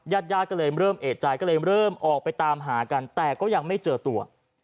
ญาติญาติก็เลยเริ่มเอกใจก็เลยเริ่มออกไปตามหากันแต่ก็ยังไม่เจอตัว